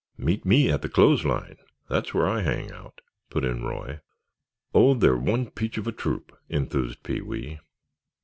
'" "Meet me at the clothes line, that's where I hang out!" put in Roy. "Oh, they're one peach of a troop!" enthused Pee wee.